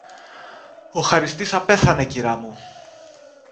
Ο χαριστής απέθανε, κυρά μου